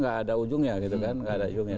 gak ada ujungnya gitu kan